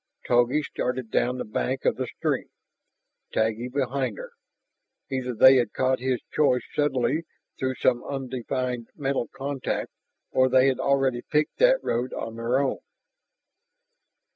Togi started down the bank of the stream, Taggi behind her. Either they had caught his choice subtly through some undefined mental contact, or they had already picked that road on their own.